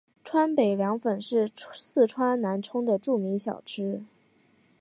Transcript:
川北凉粉是四川南充的著名小吃。